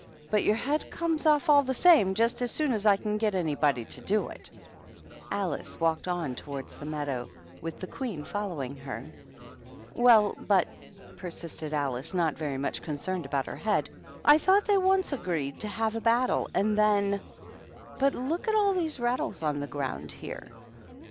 But your head comes off all the same, just as soon as I can get anybody to do it." 28* 270 THE TWEEDLES. Alice walked on towards the meadow, with the Queen following her. "Well, but," persisted Alice, not very much concerned about her head, "I thought they once agreed to have a battle, and then But loot at all these rattles on the ground here!"